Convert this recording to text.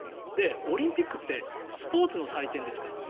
オリンピックってスポーツの祭典ですからね。